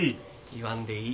言わんでいい。